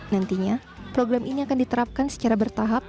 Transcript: nantinya program ini akan diterapkan secara bertahap